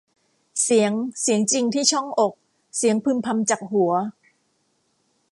เสียง เสียงจริงที่ช่องอก เสียงพึมพำจากหัว